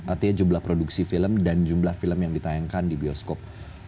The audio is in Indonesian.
artinya jumlah produksi film dan jumlah film yang ditayangkan di bioskop